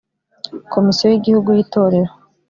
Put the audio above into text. Komisiyo y igihugu y itorero